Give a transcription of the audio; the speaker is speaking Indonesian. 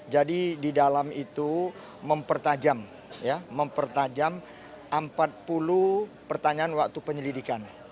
jadi di dalam itu mempertajam empat puluh pertanyaan waktu penyelidikan